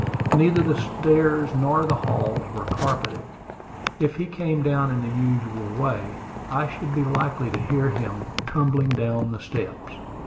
Neither the stairs nor the halls were carpeted. If he came down in the usual way, I should be likely to hear him tumbling down the steps.